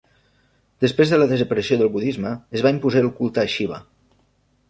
Després de la desaparició del budisme es va imposar el culte a Xiva.